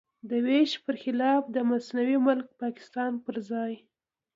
د وېش پر خلاف د مصنوعي ملک پاکستان پر ځای.